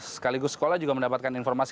sekaligus sekolah juga mendapatkan informasi